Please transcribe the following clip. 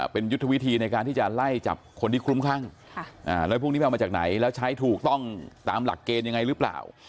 เป็นยุทธวิธีในการที่จะไล่จับคนที่คลุ้มคลั่งแล้วพวกนี้ไปเอามาจากไหนแล้วใช้ถูกต้องตามหลักเกณฑ์ยังไงหรือเปล่า